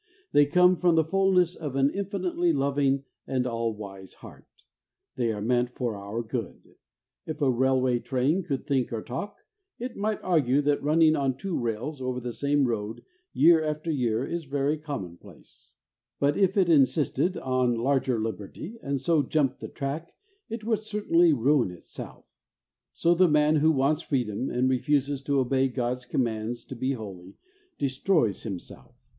They come from the fullness of an infinitely loving and all wise heart. They are meant for our good. If a railway WHY SHOULD WE BE HOLY ? 9 train could think or talk, it might argue that running on two rails over the same road year after year was very common place. But if it insisted on larger liberty, and so jumped the track, it would certainly ruin itself. So the man who wants freedom, and refuses to obey God's commands to be holy, destroys himself.